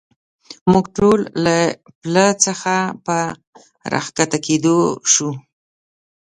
موږ ټول له پله څخه په را کښته کېدو شو.